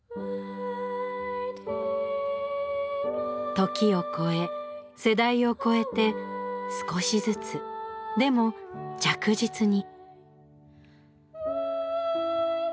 時を超え世代を超えて少しずつでも着実に。